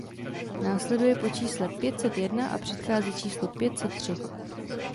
Následuje po čísle pět set jedna a předchází číslu pět set tři.